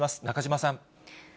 中島さん。